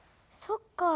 そっか。